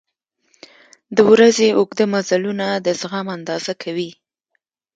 • د ورځې اوږده مزلونه د زغم اندازه کوي.